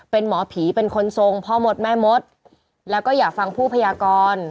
เป็นหมอผีเป็นคนทรงพ่อมดแม่มดแล้วก็อยากฟังผู้พยากร